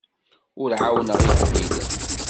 Ur ɛawnen igellilen.